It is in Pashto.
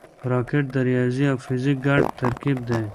راکټ د ریاضي او فزیک ګډ ترکیب دی